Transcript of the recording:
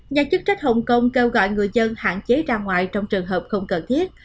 nhà chức trách hồng kông kêu gọi người dân hạn chế ra ngoài trong trường hợp không cần thiết